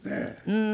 うん。